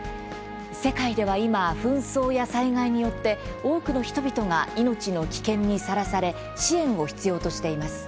世界では今、紛争や災害によって多くの人々が命の危険にさらされ支援を必要としています。